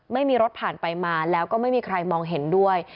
ไม่มีรถผ่านไปมาแล้วก็ไม่มีใครมองเห็นด้วย